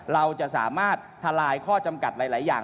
เราจะสามารถทลายข้อจำกัดหลายอย่าง